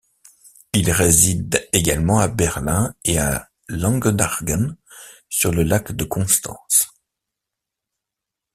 Il réside également à Berlin et à Langenargen sur le lac de Constance.